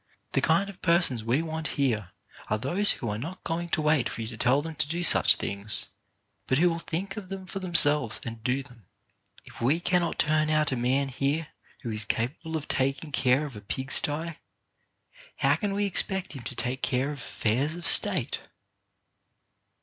The kind of persons we want here are those who are not going to wait for you to tell them to do such things, but who will think of them for them selves and do them. If we cannot turn out a man here who is capable of taking care of a pig sty, how can we expect him to take care of affairs of State